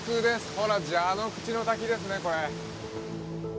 ほら蛇之口滝ですねこれ。